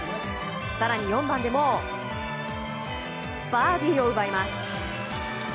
更に４番でもバーディーを奪います。